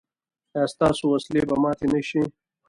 ایا ستاسو وسلې به ماتې نه شي؟